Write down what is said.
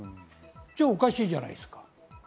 おかしいじゃないですか。